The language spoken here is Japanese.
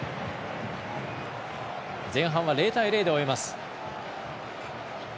前半は０対０で終えます。